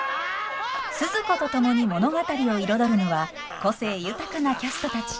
スズ子と共に物語を彩るのは個性豊かなキャストたち。